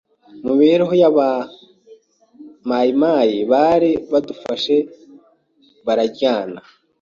mu mibereho y’aba mayimayi bari badufashe bararyana